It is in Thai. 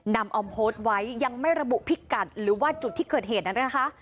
ออมโพสต์ไว้ยังไม่ระบุพิกัดหรือว่าจุดที่เกิดเหตุนั้นนะคะ